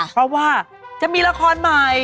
เพราะว่าจะมีละครใหม่